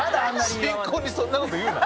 新婚にそんなこと言うな。